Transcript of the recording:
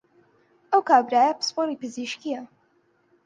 ئەو کابرایە پسپۆڕی پزیشکییە